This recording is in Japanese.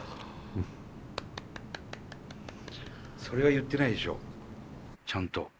それは言ってないでしょちゃんと。